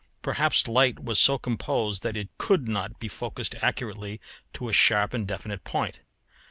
Perhaps light was so composed that it could not be focused accurately to a sharp and definite point.